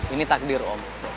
ini takdir om